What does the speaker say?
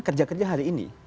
kerja kerja hari ini